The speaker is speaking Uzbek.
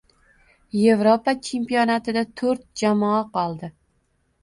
Yevropa chempionatida to‘rt jamoa qoldi.